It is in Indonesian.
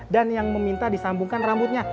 dan yang meminta disambungkan rambutnya